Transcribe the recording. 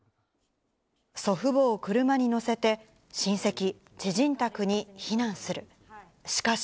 祖父母を車に乗せて、親戚、知人宅に避難する。